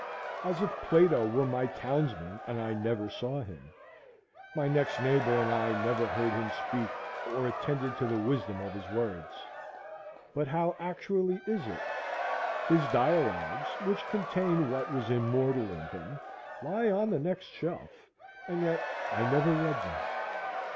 As if Plato were my townsman and I never saw him,—my next neighbor and I never heard him speak or attended to the wisdom of his words. But how actually is it? His Dialogues, which contain what was immortal in him, lie on the next shelf, and yet I never read them.